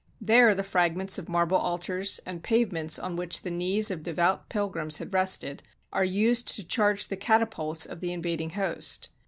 There the fragments of marble altars, and pavements on which the knees of devout pilgrims had rested, are used to charge the catapults of the invad ing host.